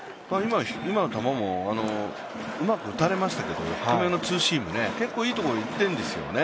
今の球もうまく打たれましたけど低めのツーシーム、結構いいところまでいっているんですよね。